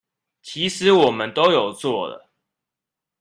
其實我們都有做了